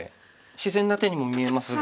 自然な手にも見えますが。